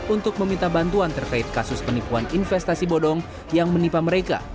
untuk meminta bantuan terkait kasus penipuan investasi bodong yang menimpa mereka